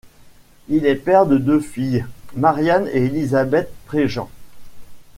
Il est père de deux filles, Mariane et Élisabeth Prégent.